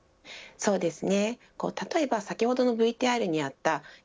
そうですね。